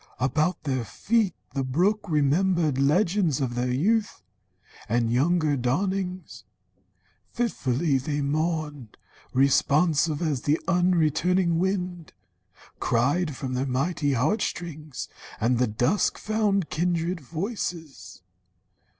About their feet The brook remembered legends of their youth, And younger dawnings. Fitfully they mourned, Responsive, as the unreturning wind Cried from their mighty heart strings, and the dusk Found kindred voices.